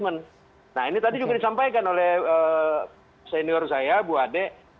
nah ini tadi juga disampaikan oleh senior saya bu ade